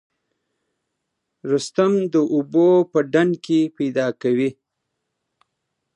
رستم د اوبو په ډنډ کې پیدا کوي.